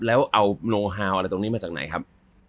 แล้วเอาโนฮาวมาจากไหนครับ